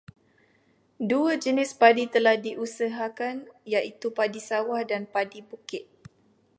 Dua jenis padi telah diusahakan iaitu padi sawah dan padi bukit.